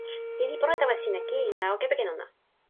ni li pona tawa sina kin la o kepeken ona.